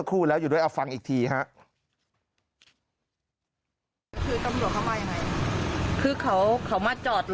คุณผู้ชมครับ